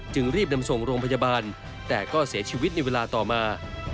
จึงรีบนำส่งโรงพยาบาลแต่ก็เสียชีวิตในเวลาต่อมา